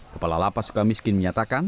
kepala lapas suka miskin menyatakan